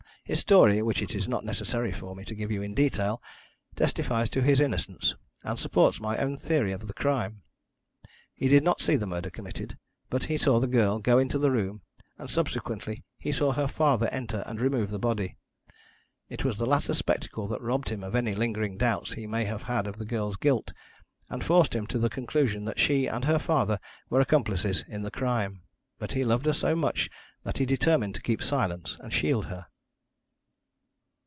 His story, which it is not necessary for me to give you in detail, testifies to his innocence, and supports my own theory of the crime. He did not see the murder committed, but he saw the girl go into the room, and subsequently he saw her father enter and remove the body. It was the latter spectacle that robbed him of any lingering doubts he may have had of the girl's guilt, and forced him to the conclusion that she and her father were accomplices in the crime. But he loved her so much that he determined to keep silence and shield her."